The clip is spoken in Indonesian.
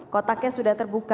kotaknya sudah terbuka